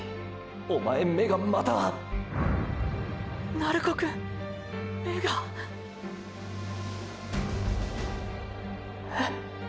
おまえ目がまた鳴子くん目が？え？